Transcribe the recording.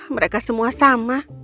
mereka semua sama